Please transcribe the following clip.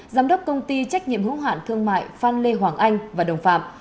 giám đốc công ty trách nhiệm hữu hạn thương mại phan lê hoàng anh và đồng phạm